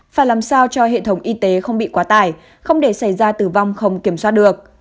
phải làm sao cho hệ thống y tế không bị quá tải không để xảy ra tử vong không kiểm soát được